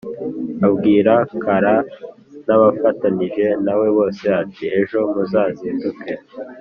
Abwira K ra n abafatanije na we bose ati Ejo muzazinduke